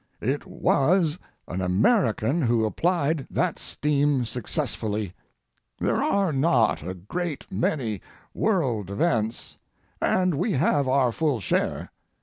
It was an American who applied that steam successfully. There are not a great many world events, and we have our full share.